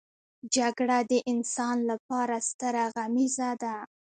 جګړه د انسان لپاره ستره غميزه ده